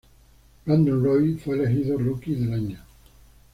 Brandon Roy fue elegido rookie del año.